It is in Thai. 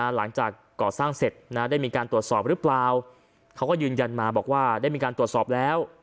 หลังจากก่อสร้างเสร็จได้มีการตรวจสอบหรือเปล่าเขาก็ยืนยันมาบอกว่าได้มีการตรวจสอบแล้ว